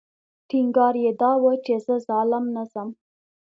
ټینګار یې دا و چې زه ظالم نه ځم.